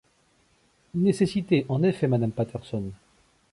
Nécessité, en effet, madame Patterson.